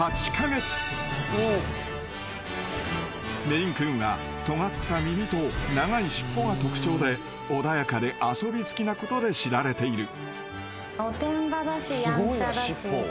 ［メインクーンはとがった耳と長い尻尾が特徴で穏やかで遊び好きなことで知られている］